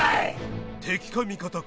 敵か味方か